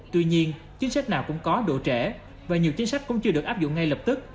tuy nhiên chính sách nào cũng có độ trễ và nhiều chính sách cũng chưa được áp dụng ngay lập tức